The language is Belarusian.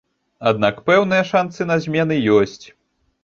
Аднак пэўныя шансы на змены ёсць.